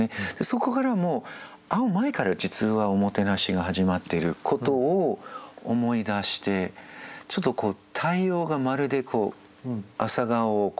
そこから会う前から実はおもてなしが始まっていることを思い出してちょっと太陽がまるで朝顔を何て言うかな。